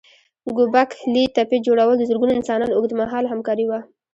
ګوبک لي تپې جوړول د زرګونو انسانانو اوږد مهاله همکاري وه.